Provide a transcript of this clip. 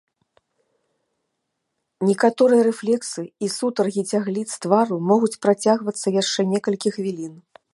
Некаторыя рэфлексы і сутаргі цягліц твару могуць працягвацца яшчэ некалькі хвілін.